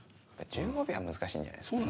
１５秒は難しいんじゃないですか。